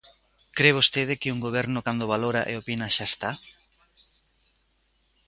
¿Cre vostede que un goberno cando valora e opina xa está?